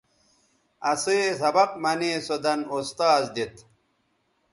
اسئ سبق منے سو دَن اُستاذ دیت